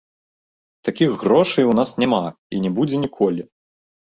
Такіх грошай у нас няма, і не будзе ніколі.